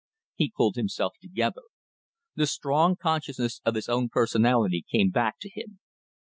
He pulled himself together. The strong consciousness of his own personality came back to him.